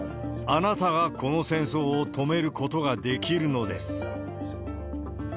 あなたがこの戦争を止めることができるのです。